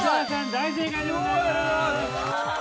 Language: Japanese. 大正解でございまーす。